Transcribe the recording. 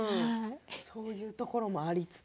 そういうところもありつつ。